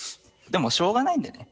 でもしょうがないんでね。